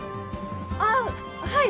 あっはい！